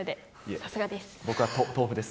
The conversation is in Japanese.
さすがです。